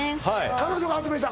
彼女が発明した？